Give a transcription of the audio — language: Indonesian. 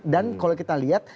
dan kalau kita lihat